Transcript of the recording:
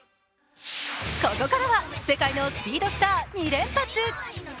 ここからは世界のスピードスター２連発。